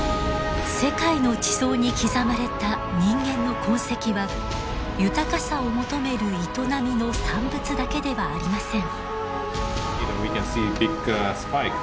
世界の地層に刻まれた人間の痕跡は豊かさを求める営みの産物だけではありません。